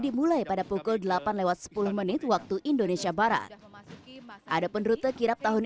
dimulai pada pukul delapan lewat sepuluh menit waktu indonesia barat ada penrute kirap tahun